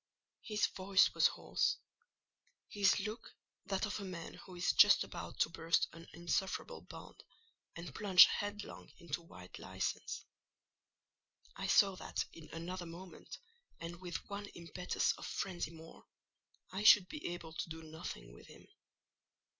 His voice was hoarse; his look that of a man who is just about to burst an insufferable bond and plunge headlong into wild license. I saw that in another moment, and with one impetus of frenzy more, I should be able to do nothing with him.